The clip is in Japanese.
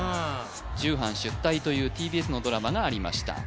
「重版出来！」というＴＢＳのドラマがありました